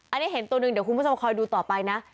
อันนี้เห็นตัวหนึ่งเดี๋ยวคุณผู้ชมคอยดูต่อไปนะ